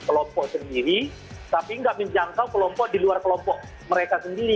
kelompok sendiri tapi nggak menjangkau kelompok di luar kelompok mereka sendiri